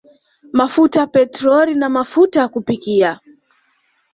Mafuta ya petroli na mafuta ya kupikia